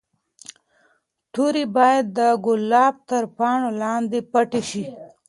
توري باید د ګلاب تر پاڼو لاندې پټې شي.